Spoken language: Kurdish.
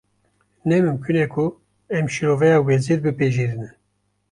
Ne mimkûn e ku em şîroveya wezîr bipejirînin